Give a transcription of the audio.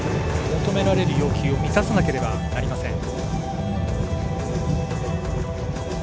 求められる要求を満たさなければいけません。